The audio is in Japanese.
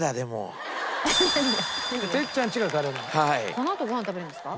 このあとご飯食べるんですか？